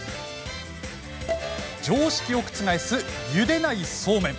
常識を覆す、ゆでないそうめん。